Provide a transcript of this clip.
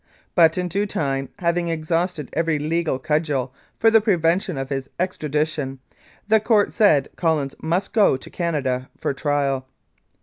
But in due time, having exhausted every legal cudgel for the prevention of his extradition, the court said Collins must go to Canada for trial.